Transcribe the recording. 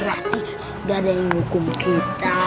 berarti gak ada yang hukum kita